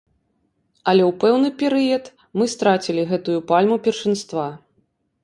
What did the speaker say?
Але ў пэўны перыяд мы страцілі гэтую пальму першынства.